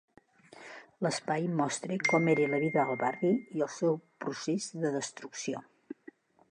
L'espai mostra com era la vida al barri i el seu procés de destrucció.